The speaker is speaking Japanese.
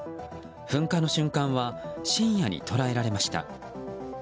噴火の瞬間は深夜に捉えられました。